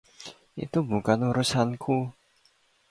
Itu bukan urusanku.